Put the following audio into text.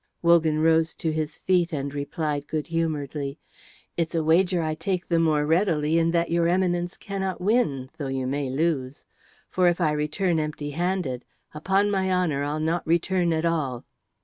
Wogan rose to his feet and replied good humouredly, "It's a wager I take the more readily in that your Eminence cannot win, though you may lose. For if I return empty handed, upon my honour I'll not return at all."